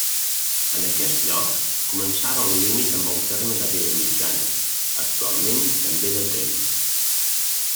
En aquest lloc començava el límit amb el terme de Vilamitjana, actualment també de Tremp.